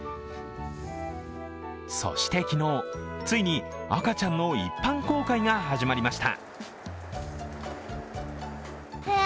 そして昨日、ついに赤ちゃんの一般公開が始まりました。